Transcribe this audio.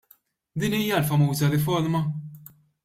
Din hija l-famuża riforma?